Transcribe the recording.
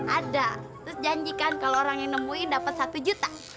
ada terus janjikan kalau orang yang nemuin dapat satu juta